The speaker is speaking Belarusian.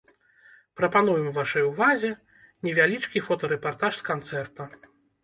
Прапануем вашай увазе невялічкі фотарэпартаж з канцэрта.